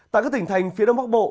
tại các tỉnh thành phía đông bắc bộ